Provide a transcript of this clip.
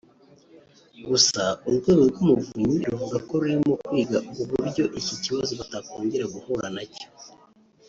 Gusa urwego rw’Umuvunyi ruvuga ko rurimo kwiga uburyo iki kibazo batakongera guhura na cyo